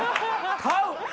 買う！